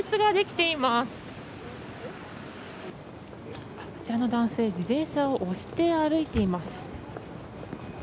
あちらの男性、自転車を押して歩いています。